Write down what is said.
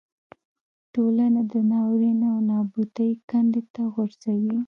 ټولنه د ناورین او نابودۍ کندې ته غورځوي.